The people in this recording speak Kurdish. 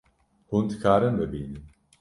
Hûn dikarin bibînin